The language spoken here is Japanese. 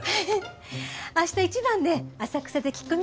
明日一番で浅草で聞き込みしましょう。